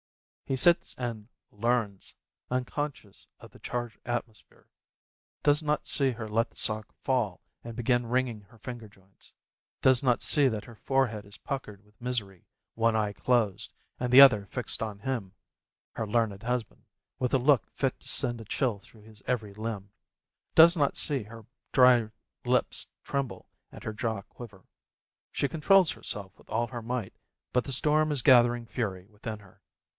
He sits and "learns," unconscious of the charged atmosphere ; does not see her let the sock fall and begin wringing her finger joints; does not see that her fore head is puckered with misery, one eye closed, and the other fixed on him, her learned husband, with a look 58 PEEEZ fit to send a chill through his every limb; does not see her dry lips tremble and her jaw quiver. She con trols herself with all her might, but the storm is gathering fury within her.